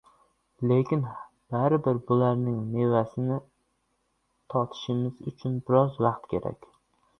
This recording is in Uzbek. Lekin baribir bularning mevasini totishimiz uchun biroz vaqt kerak.